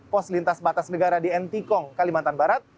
pos lintas batas negara di ntkong kalimantan barat